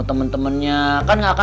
tapi itu kan yang buka